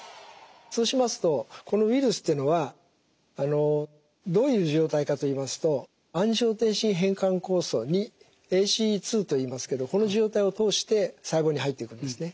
そうしますとウイルスっていうのはどういう状態かと言いますとアンジオテンシン変換酵素２と言いますけどこの受容体を通して細胞に入っていくんですね。